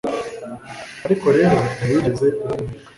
ariko rero ntiwigeze uhumeka